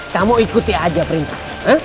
kamu ikuti aja perintah